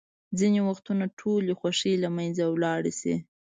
ځینې وختونه ټولې خوښۍ له منځه ولاړې شي.